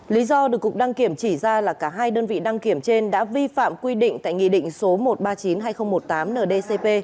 lý do được cục đăng kiểm chỉ ra là cả hai đơn vị đăng kiểm trên đã vi phạm quy định tại nghị định số một trăm ba mươi chín hai nghìn một mươi tám ndcp